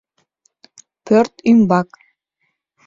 Пӧрт ӱмбак